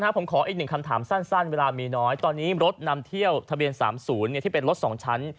ครับผมขออีกหนึ่งคำถามสั้นสั้นเวลามีน้อยตอนนี้รถนำเที่ยวทะเบียนสามศูนย์เนี่ยที่เป็นรถสองชั้น